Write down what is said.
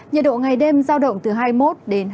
nhiệt độ ngày đêm giao động từ hai mươi một đến hai mươi chín độ